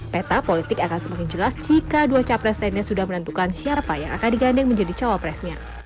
peta politik akan semakin jelas jika dua calon presidennya sudah menentukan siapa yang akan diganding menjadi cowok presnya